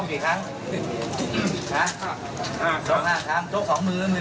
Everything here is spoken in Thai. อีกที